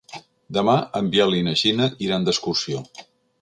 Demà en Biel i na Gina iran d'excursió.